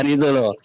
nah itu lho